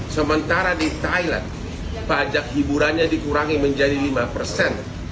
sementara di thailand pajak hiburannya dikurangi menjadi lima persen